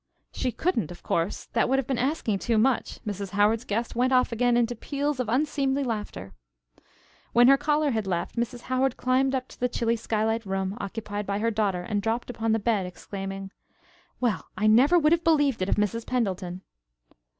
"She couldn't, of course. That would have been asking too much." Mrs. Howard's guest went off again into peals of unseemly laughter. When her caller had left, Mrs. Howard climbed up to the chilly skylight room occupied by her daughter and dropped upon the bed, exclaiming: "Well, I never would have believed it of Mrs. Pendleton!"